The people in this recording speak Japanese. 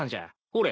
ほれ。